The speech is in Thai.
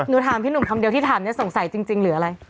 ถามพี่หนุ่มคำเดียวที่ถามเนี่ยสงสัยจริงหรืออะไร